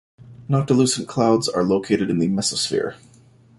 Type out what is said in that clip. Noctilucent clouds are located in the mesosphere.